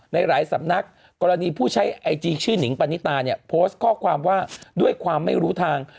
หลายสำนักกรณีผู้ใช้ไอจีชื่อนิงปณิตาเนี่ยโพสต์ข้อความว่าด้วยความไม่รู้ทาง